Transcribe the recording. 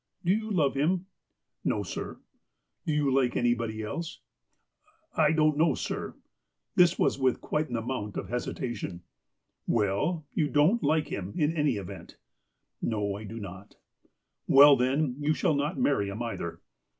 " Do you love him ?" "No, sir." " Do you like anybody else %" "I don't know, sir." This with quite an amount of hesitation. " Well, you don't like him, in any event? " "No, I do not." " Well, then, you shall not marry him, either."